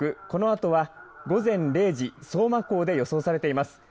このあとは午前０時、相馬港で予想されています。